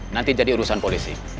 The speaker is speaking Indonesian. nanti jadi urusan polisi